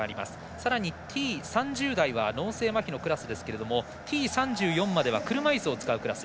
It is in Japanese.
さらにＴ３０台は脳性まひのクラスですがＴ３４までは車いすを使うクラス。